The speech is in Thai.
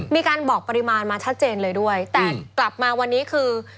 มีการบอกปริมาณมาชัดเจนเลยด้วยแต่กลับมาวันนี้คือ